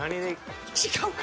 違うか。